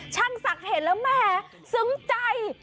ช่างศักดิ์เห็นแล้วแหมซึ้งใจ